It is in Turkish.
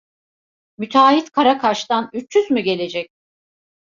Müteahhit Karakaş'tan üç yüz mü gelecek?